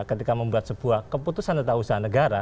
ketika membuat sebuah keputusan tentang usaha negara